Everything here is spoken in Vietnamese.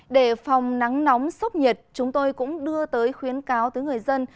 để phòng nắng nóng sốc nhiệt chúng tôi cũng đưa tới khuyến cáo tới người dân